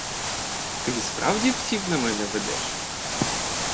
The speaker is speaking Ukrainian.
Ти й справді псів на мене ведеш?